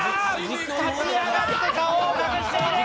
立ち上がって顔を隠している！